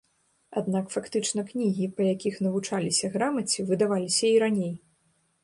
Аднак фактычна кнігі, па якіх навучаліся грамаце, выдаваліся і раней.